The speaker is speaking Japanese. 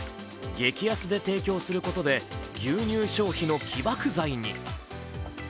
激安で提供することで牛乳消費の起爆剤に。